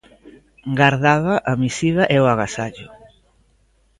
Gardaba a misiva e o agasallo.